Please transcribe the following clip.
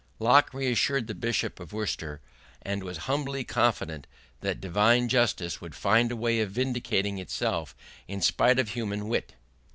Locke reassured the Bishop of Worcester, and was humbly confident that Divine Justice would find a way of vindicating Itself in spite of human wit.